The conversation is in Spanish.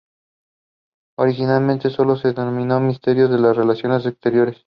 Originalmente sólo se denominó Ministerio de Relaciones Exteriores.